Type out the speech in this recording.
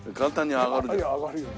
上がるよね。